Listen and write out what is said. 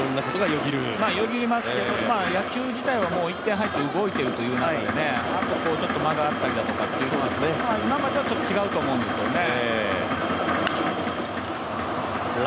よぎりますけど、野球自体は１点入って動いてるという中であとは間があったりだとか今までとは違うと思うんですよね。